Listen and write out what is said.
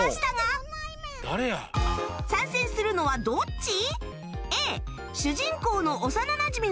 参戦するのはどっち？